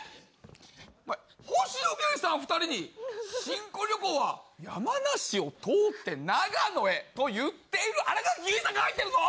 お前、星野源さん２人に、新婚旅行は山梨を通って長野へ、と言っている新垣結衣さんが入っているぞ。